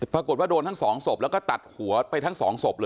ปรากฏว่าโดนทั้งสองศพแล้วก็ตัดหัวไปทั้งสองศพเลย